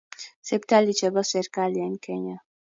sipitalli chebo serkali en kenya